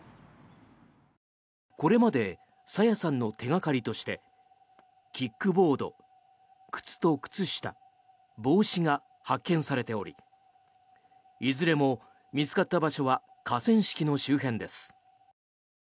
これまで朝芽さんの手掛かりとしてキックボード、靴と靴下帽子が発見されておりいずれも見つかった場所は河川敷の周辺です。